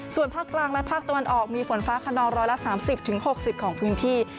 ส่วนภาคกลางและภาคตะวันออกมีฝนฟ้าขนอง๑๓๐๖๐ของพื้นที่